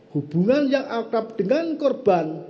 hubungan yang akrab dengan korban